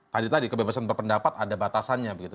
tadi tadi kebebasan berpendapat ada batasannya begitu